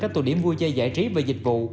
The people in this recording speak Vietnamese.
các tù điểm vui chơi giải trí và dịch vụ